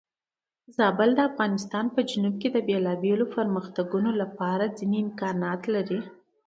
زابل د افغانستان په جنوب کې د بېلابېلو پرمختګونو لپاره ځینې امکانات لري.